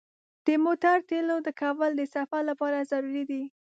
د موټر تیلو ډکول د سفر لپاره ضروري دي.